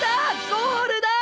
ゴールだ！